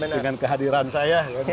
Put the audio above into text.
dengan kehadiran saya